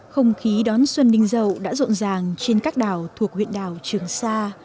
không khí đón xuân đinh dầu đã rộn ràng trên các đảo thuộc huyện đảo trường sa